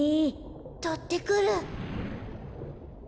とってくる。